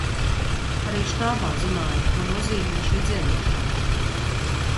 Arī štābā zināja, ko nozīmē šī dziedāšana.